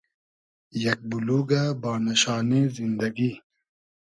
یئگ بولوگۂ بانۂ شانې زیندئگی